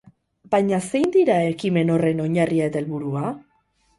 Baina zein dira ekimen horren oinarria eta helburua?